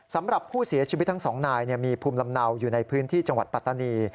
สำหรับผู้เสียชีวิตทั้งสองนายมีภูมิลำเนาอยู่ในพื้นที่จังหวัดปัตตานี